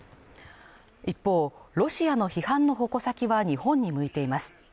一方ロシアの批判の矛先は日本に向いています